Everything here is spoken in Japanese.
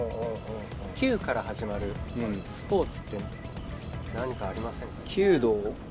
「きゅう」から始まるスポーツって何かありませんか？